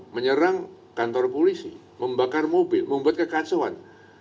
menyerang kantor polisi membakar mobil membuat kekacauan